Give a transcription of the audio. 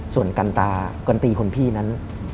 ส่วนกันตากันตีคนพี่นั้น